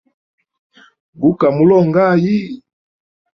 Gu ka mulongʼayi?